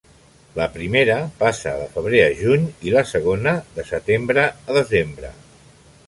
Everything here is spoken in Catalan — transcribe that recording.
La primera passa de febrer a juny i la segona de setembre a desembre.